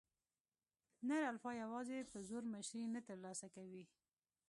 نر الفا یواځې په زور مشري نه تر لاسه کوي.